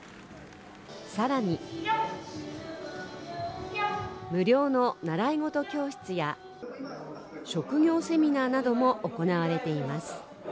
さらに無料の習い事教室や職業セミナーなども行われています。